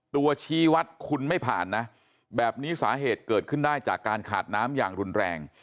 ชี้วัดคุณไม่ผ่านนะแบบนี้สาเหตุเกิดขึ้นได้จากการขาดน้ำอย่างรุนแรง